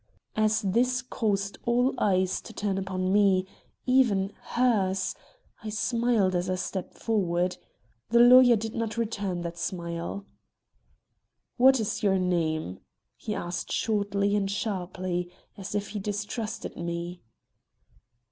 As this caused all eyes to turn upon me, even hers, I smiled as I stepped forward. The lawyer did not return that smile. "What is your name?" he asked shortly and sharply, as if he distrusted me.